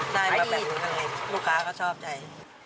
ไม่เอาขาวเลยลูกค้าก็ชอบใจ